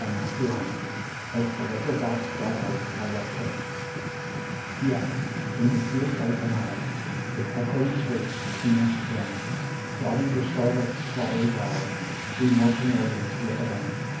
Matthew Arnold. 1822–1888 749. To Marguerite YES: in the sea of life enisled, With echoing straits between us thrown. Dotting the shoreless watery wild, We mortal millions live alone.